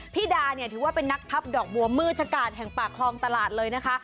ดาเนี่ยถือว่าเป็นนักพับดอกบัวมือชะกาดแห่งปากคลองตลาดเลยนะคะ